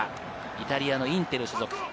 イタリアのインテル所属。